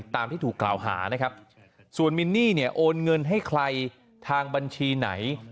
ตามที่ถูกกล่าวหานะครับส่วนมินนี่เนี่ยโอนเงินให้ใครทางบัญชีไหน